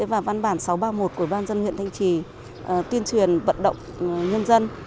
và văn bản sáu trăm ba mươi một của ban dân huyện thanh trì tuyên truyền vận động nhân dân